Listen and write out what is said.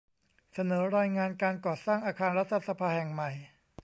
เสนอรายงานการก่อสร้างอาคารรัฐสภาแห่งใหม่